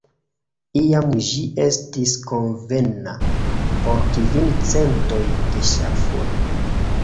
Iam ĝi estis konvena por kvin centoj da ŝafoj.